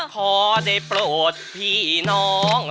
ขอได้โปรดพี่น้อง